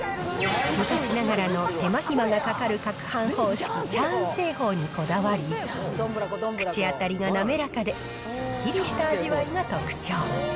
昔ながらの手間暇がかかるかくはん方式、チャーン製法にこだわり、口当たりが滑らかで、すっきりした味わいが特徴。